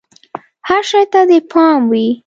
هر شي ته دې پام وي!